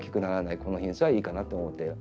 この品種はいいかなと思って。